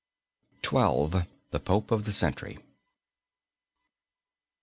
THE POPE OF THE CENTURY.